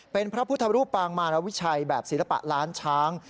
เป็นพระพุทธรูปปางมารวิชัยแบบศิลปะล้านช้าง